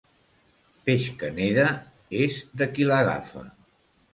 Peix que neda és de qui l'agafa.